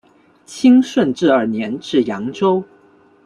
清顺治二年至扬州。